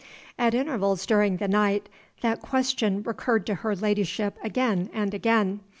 At intervals during the night that question recurred to her ladyship again and again.